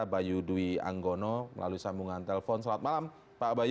bayu dwi anggono melalui sambungan telepon selamat malam pak bayu